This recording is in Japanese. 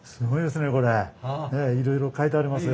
ねっいろいろ書いてありますよ。